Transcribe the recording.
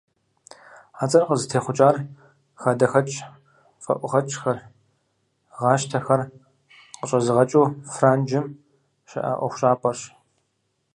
А цӏэр къызытехъукӏар хадэхэкӏ фӏэӏугъэхэр, гъэщтахэр къыщӏэзыгъэкӏыу Франджым щыӏэ ӏуэхущӏапӏэрщ.